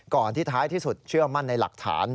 ที่ท้ายที่สุดเชื่อมั่นในหลักฐาน